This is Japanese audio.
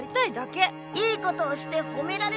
良いことをしてほめられたい。